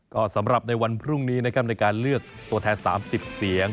ก็สำหรับในวันพรุ่งนี้นะครับในการเลือกตัวแทน๓๐เสียง